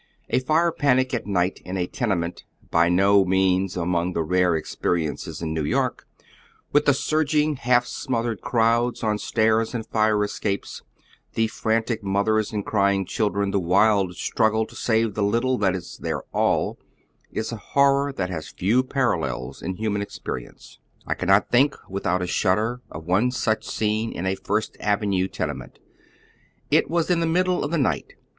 A fire panic at night in a tenement, by no means among the rare experiences in New York, with the surging, half smothered crowds on stairs and fire escapes, the frantic mothers and crying children, the wild struggle to save the little that is their all, is a horror that has few parallels in human experience. I cannot think without a shudder of one such scene in a First Avenue tenement. It was in the middle of the night.